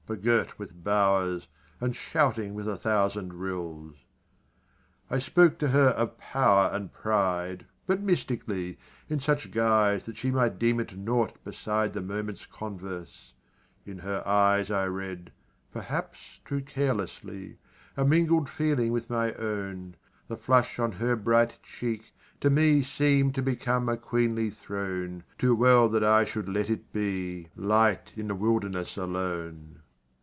begirt with bowers, And shouting with a thousand rills. I spoke to her of power and pride, But mystically in such guise That she might deem it nought beside The moment's converse; in her eyes I read, perhaps too carelessly A mingled feeling with my own The flush on her bright cheek, to me Seem'd to become a queenly throne Too well that I should let it be Light in the wilderness alone.